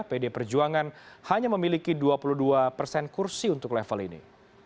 pd perjuangan hanya memiliki dua puluh dua persen kursi untuk level ini